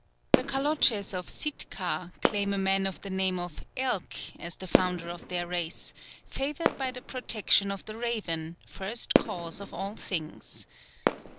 The Kaloches of Sitka claim a man of the name of Elkh as the founder of their race, favoured by the protection of the raven, first cause of all things.